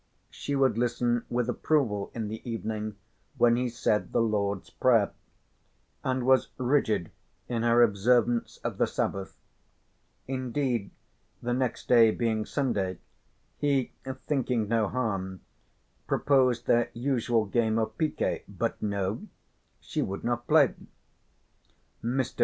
She would listen with approval in the evening when he said the Lord's Prayer, and was rigid in her observance of the Sabbath. Indeed, the next day being Sunday he, thinking no harm, proposed their usual game of piquet, but no, she would not play. Mr.